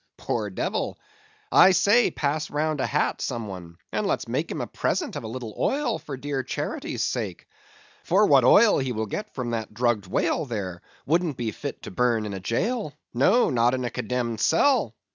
Poor devil! I say, pass round a hat, some one, and let's make him a present of a little oil for dear charity's sake. For what oil he'll get from that drugged whale there, wouldn't be fit to burn in a jail; no, not in a condemned cell.